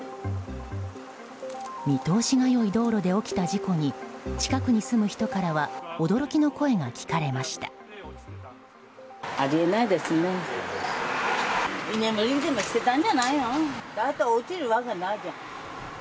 見通しが良い道路で起きた事故に近くに住む人からは驚きの声が聞かれました。